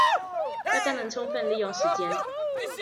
大家能充分利用時間